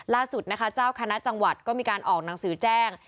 ล่าสุดนะคะเจ้าคณะจังหวัดก็มีการออกหนังสือแจ้ง